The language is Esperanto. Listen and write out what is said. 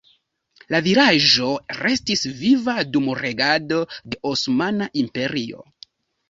La vilaĝo restis viva dum regado de Osmana Imperio.